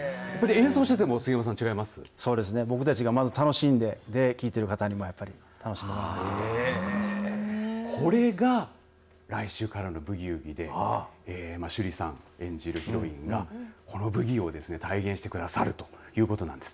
演奏していても僕たちがまず楽しんで、聴いてる方にもやっぱり楽しんでもらえてるとこれが来週からのブギウギで趣里さん演じるヒロインがこのブギを体現してくださるということなんです。